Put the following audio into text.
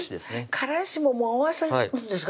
からしももう合わせとくんですか